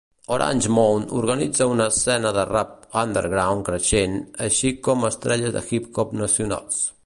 Orange Mound organitza una escena de rap underground creixent, així com estrelles de hip-hop nacionals.